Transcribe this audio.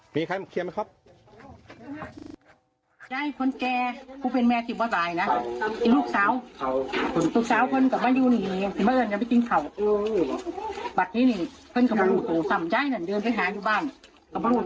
ซ้ำใจนั้นเดินไปหาอยู่บ้างแล้วพอรู้ตัวว่าเขาซีอีกอย่างบ้าง